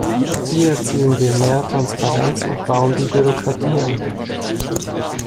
Wie erzielen wir mehr Transparenz und bauen die Bürokratie ab?